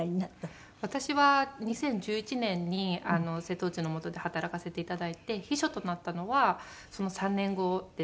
私は２０１１年に瀬戸内の元で働かせていただいて秘書となったのはその３年後ですので。